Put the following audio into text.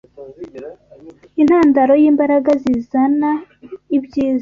intandaro y’imbaraga zizazana ibyiza